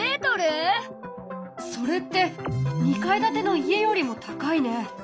それって２階建ての家よりも高いね。